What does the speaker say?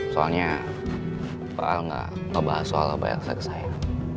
soalnya tadi enggak ngebahas contrat b yang sekan